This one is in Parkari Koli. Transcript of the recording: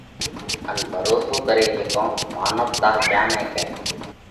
ان ڀروسو ڪري هيڪونه؟ مانَوَتا ڪيا نئہ ڪئه؟